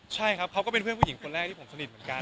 ใช่ครับเขาก็เป็นเพื่อนผู้หญิงคนแรกที่ผมสนิทเหมือนกัน